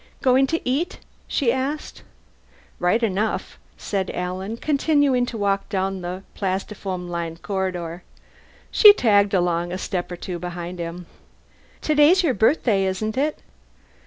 "Going to eat?" she asked. "Right enough," said Alan, continuing to walk down the plastifoam lined corridor. She tagged along a step or two behind him. "Today's your birthday, isn't it?"